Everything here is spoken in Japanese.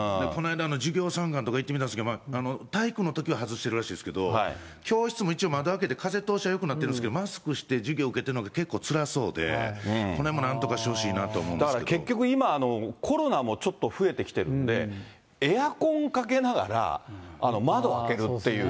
この間、授業参観とか行ってみたんですけど、体育のときは外しているらしいですけれども、教室も一応窓開けて、風通しはよくなってるんですけど、マスクして授業受けているのが結構つらそうで、これもなんとかし結局、今、コロナもちょっと増えてきてるんで、エアコンかけながら、窓開けるっていう。